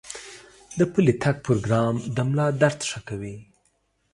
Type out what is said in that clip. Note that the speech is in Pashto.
د پلي تګ پروګرام د ملا درد ښه کوي.